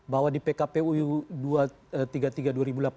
bahwa di pkpu tiga puluh tiga dua ribu delapan belas itu mengatur partai politik